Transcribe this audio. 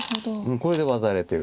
これでワタってる。